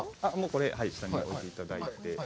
これは下に置いていただいて。